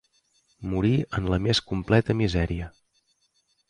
Morí en la més completa misèria.